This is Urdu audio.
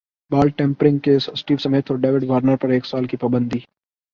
بال ٹیمپرنگ کیس اسٹیو اسمتھ اور ڈیوڈ وارنر پر ایک سال کی پابندی